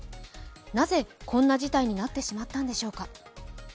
なぜ、こんな事態になってしまったんでしょうか。